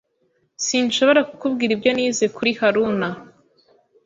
Sinshobora kukubwira ibyo nize kuri Haruna.